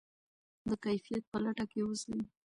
د کیفیت په لټه کې اوسئ.